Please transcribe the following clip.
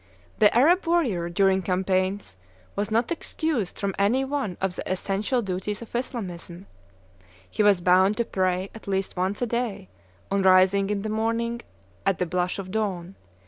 "The Arab warrior during campaigns was not excused from any one of the essential duties of Islamism; he was bound to pray at least once a day, on rising in the morning, at the blush of dawn.